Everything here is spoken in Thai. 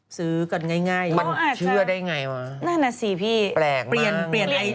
ซื้อกันง่ายมันเชื่อได้ไงวะแปลกมากน่าสิพี่